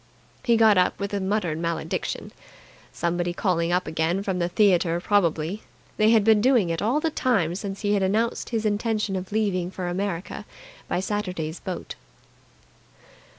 He got up with a muttered malediction. Someone calling up again from the theatre probably. They had been doing it all the time since he had announced his intention of leaving for America by Saturday's boat.